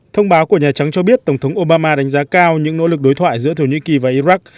thông báo của nhà trắng cho biết tổng thống obama đánh giá cao những nỗ lực đối thoại giữa thổ nhĩ kỳ và iraq